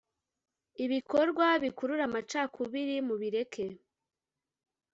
ibikorwa bikurura amacakubiri mubireke